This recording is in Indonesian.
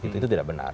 itu tidak benar